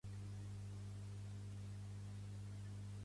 Més endavant confessa l'aventura a Guinevere, la qual decideix perdonar-lo.